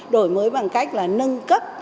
đổi mới bằng cách là nâng cấp